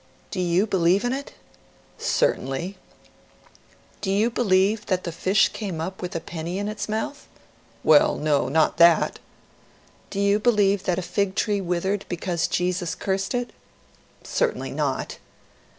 P. "Do you believe in it?" F. "Certainly." P. " Do you believe that the fish came up with a penny in its mouth ?" F. " Well, no, not that." P. " Do you believe that a fig tree withered because Jesus cursed it?" F. " Certainly not."